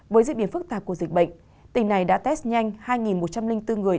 với diễn biến phức tạp của dịch bệnh tỉnh này đã test nhanh hai một trăm linh bốn người